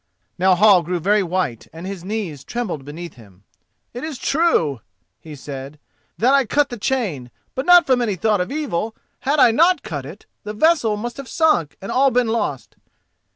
Now Hall grew very white and his knees trembled beneath him. "It is true," he said, "that I cut the chain, but not from any thought of evil. Had I not cut it the vessel must have sunk and all been lost."